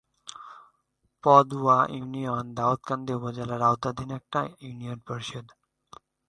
Padua union Daudkandi উপজেলার আওতাধীন একটি ইউনিয়ন পরিষদ।